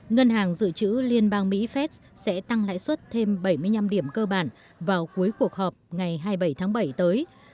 ngân hàng dự trữ liên bang mỹ fed sẽ tăng lãi suất thêm bảy mươi năm điểm cơ bản vào cuối cuộc họp ngày hai mươi bảy tháng bảy tới